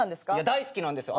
大好きなんです。